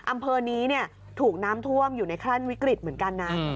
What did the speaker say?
อำเภอนี้ถูกน้ำท่วมอยู่ในขั้นวิกฤตเหมือนกันนะ